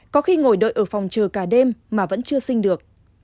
có khi ngồi đợi ở phòng trừ cả đêm mà vẫn chưa sinh được